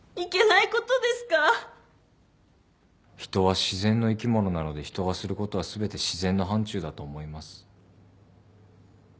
人は自然の生き物なので人がすることは全て自然の範ちゅうだと思います。